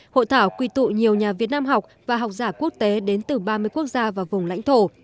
hội thảo quy tụ nhiều nhà việt nam học và học giả quốc tế đến từ ba mươi quốc gia và vùng lãnh thổ